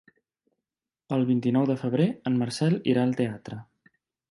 El vint-i-nou de febrer en Marcel irà al teatre.